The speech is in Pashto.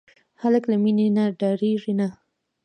هلک له مینې نه ډاریږي نه.